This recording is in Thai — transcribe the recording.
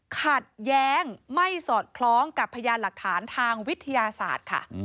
ขัดแย้งไม่สอดคล้องกับพยานหลักฐานทางวิทยาศาสตร์ค่ะ